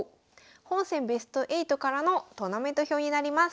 本戦ベスト８からのトーナメント表になります。